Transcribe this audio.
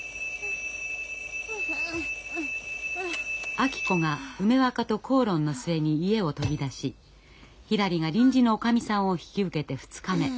明子が梅若と口論の末に家を飛び出しひらりが臨時のおかみさんを引き受けて２日目。